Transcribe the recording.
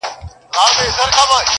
په دا منځ كي باندي تېر سول لس كلونه!!